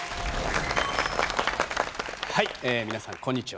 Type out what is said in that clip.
はい皆さんこんにちは。